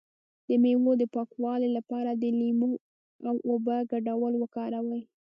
د میوو د پاکوالي لپاره د لیمو او اوبو ګډول وکاروئ